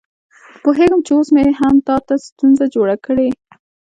پوهېږم چې اوس مې هم تا ته ستونزه جوړه کړې.